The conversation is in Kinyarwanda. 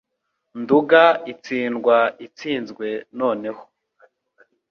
Nduga itsindwa itsinzwe noneho.